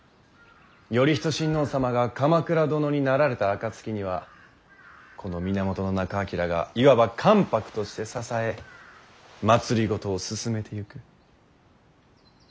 頼仁親王様が鎌倉殿になられた暁にはこの源仲章がいわば関白として支え政を進めてゆく。